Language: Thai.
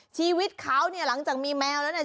ชีวิตเขาเนี่ยหลังจากมีแมวแล้วเนี่ย